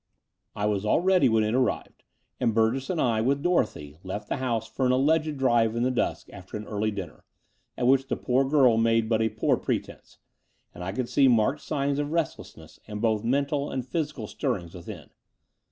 •••«••• I was all ready when it arrived ; and Btirgess and I, with Dorothy, left the house for an alleged drive in the dusk after an early dinner, at which the poor girl made but a poor pretence: and I could see marked signs of restlessness and both mental and physical stirrings within.